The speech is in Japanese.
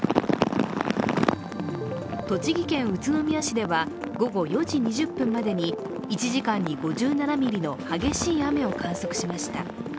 栃木県宇都宮市では午後４時２０分までに１時間に５７ミリの激しい雨を観測しました。